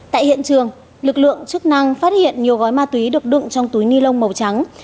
tại hiện trường lực lượng chức năng phát hiện nhiều gói ma túy được đựng trong túi ni lông màu trắng